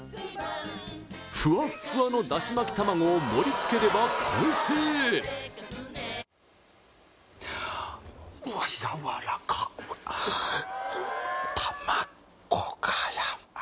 ふわっふわのだし巻き玉子を盛りつければ完成うわっ